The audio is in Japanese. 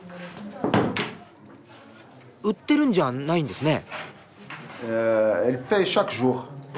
売ってるんじゃないんですね。